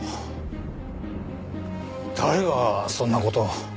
誰がそんな事を。